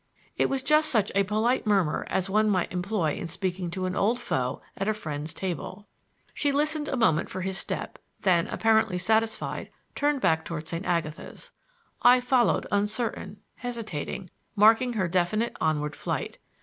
It was just such a polite murmur as one might employ in speaking to an old foe at a friend's table. She listened a moment for his step; then, apparently satisfied, turned back toward St. Agatha's. I followed, uncertain, hesitating, marking her definite onward flight.